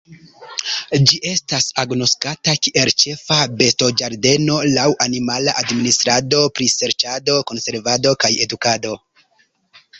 Ĝi estas agnoskata kiel ĉefa bestoĝardeno laŭ animala administrado, priserĉado, konservado, kaj edukado.